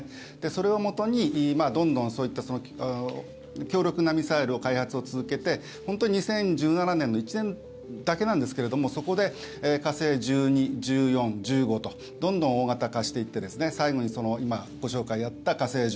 それをもとに、どんどんそういった強力なミサイルの開発を続けて本当に２０１７年の１年だけなんですけれどもそこで火星１２、１４、１５とどんどん大型化していって最後に今ご紹介があった火星